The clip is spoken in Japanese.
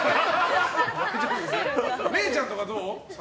れいちゃんとかどう？